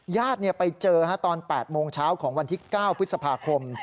ญาติไปเจอตอน๘โมงเช้าของวันที่๙พฤษภาคม